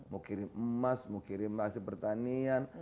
mau kirim emas mau kirim asli pertanian